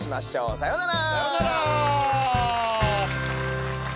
さようなら。